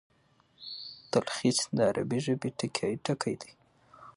تلخیص د عربي ژبي ټکی دﺉ.